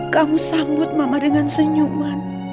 kamu sambut mama dengan senyuman